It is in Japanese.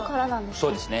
そうですね。